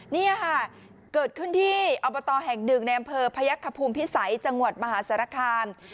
นี่ค่ะเกิดขึ้นที่อบตแห่งหนึ่งในอำเภอพยักษภูมิพิสัยจังหวัดมหาสารคาม